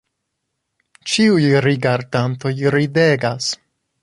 Ĉiuj rigardantoj ridegas.